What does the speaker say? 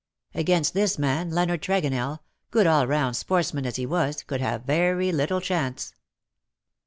Against this man Leonard Tregonell — good all round sportsman as he was — could have very little chance.